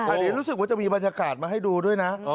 อันนี้รู้สึกว่าจะมีบรรยากาศมาให้ดูด้วยนะ